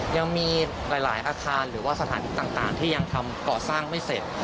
ยังมีหลายอาคารหรือว่าสถานที่ต่างที่ยังทำก่อสร้างไม่เสร็จ